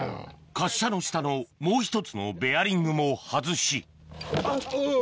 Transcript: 滑車の下のもう１つのベアリングも外しあっお！